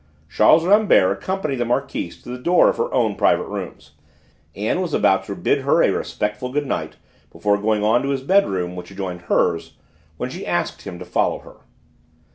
Charles Rambert accompanied the Marquise to the door of her own private rooms, and was about to bid her a respectful good night before going on to his bedroom, which adjoined hers, when she asked him to follow her.